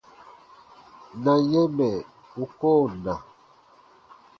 Na yɛ̃ mɛ̀ u koo na.